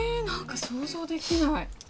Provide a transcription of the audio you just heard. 何か想像できない